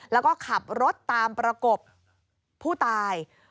แล้วก็ขับรถตามประกบผู้ตาย